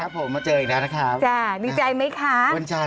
เข้ามาเจออีกแล้วนะครับดีใจไหมค่ะสวัสดีนะครับ